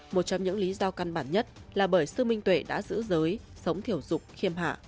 một trong những lý do căn bản nhất là bởi sư minh tuệ đã giữ giới sống thiểu dục khiêm hạ